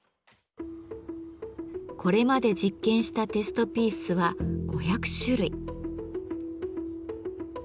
これまで実験したテストピースは５００種類。